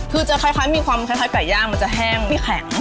คือจะคล้ายมีความคล้ายไก่ย่างมันจะแห้งไม่แข็ง